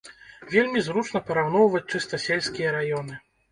Вельмі зручна параўноўваць чыста сельскія раёны.